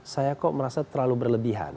saya kok merasa terlalu berlebihan